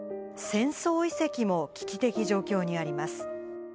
戦争遺跡も危機的状況にあります。